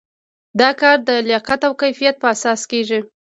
دا کار د لیاقت او کفایت په اساس کیږي.